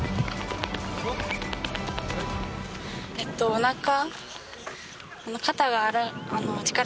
おなか。